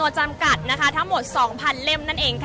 อาจจะออกมาใช้สิทธิ์กันแล้วก็จะอยู่ยาวถึงในข้ามคืนนี้เลยนะคะ